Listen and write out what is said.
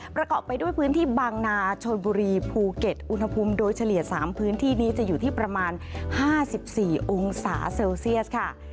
ประกอบไปด้วยพื้นที่บางนาชนบุรีภูเก็ตอุณหภูมิโดยเฉลี่ย๓พื้นที่นี้จะอยู่ที่ประมาณ๕๔องศาเซลเซียสค่ะ